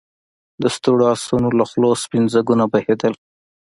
د ستړو آسونو له خولو سپين ځګونه بهېدل.